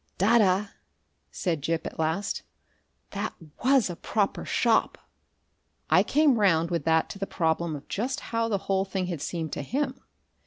"Dada!" said Gip, at last, "that WAS a proper shop!" I came round with that to the problem of just how the whole thing had seemed to him.